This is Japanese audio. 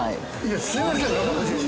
◆すいません、夫人。